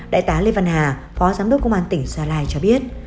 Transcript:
đại tá lê văn hà phó giám đốc công an tỉnh gia lai cho biết